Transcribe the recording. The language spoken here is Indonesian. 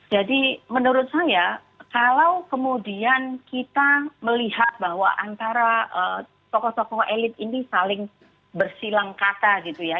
jadi menurut saya kalau kemudian kita melihat bahwa antara tokoh tokoh elit ini saling bersilang kata gitu ya